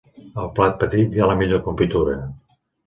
Al plat petit hi ha la millor confitura.